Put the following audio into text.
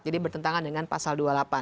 jadi bertentangan dengan pasal dua puluh delapan